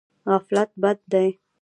غفلت بد دی.